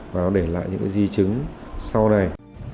và nó để lại những cái di chứng sau này